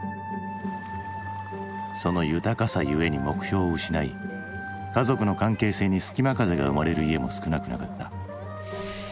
その豊かさゆえに目標を失い家族の関係性にすきま風が生まれる家も少なくなかった。